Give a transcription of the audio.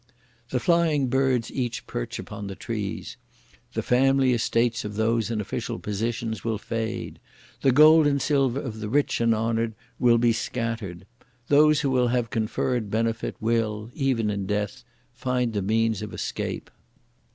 The flying birds each perch upon the trees! The family estates of those in official positions will fade! The gold and silver of the rich and honoured will be scattered! those who will have conferred benefit will, even in death, find the means of escape!